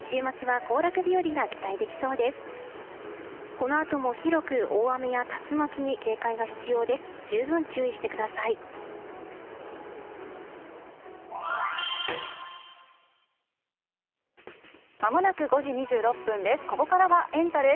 このあとも広く、大雨や竜巻に警戒が必要です。